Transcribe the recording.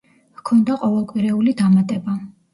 ჰქონდა ყოველკვირეული დამატება.